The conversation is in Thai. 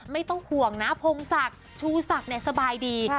ไม่ต้องห่วงนะพงศักดิ์ชูศักดิ์สบายดี